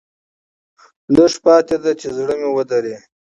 لېږ پاتې دي چې زړه مې ودري.